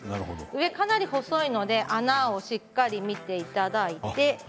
上はかなり細いので、穴をしっかり見ていただいて。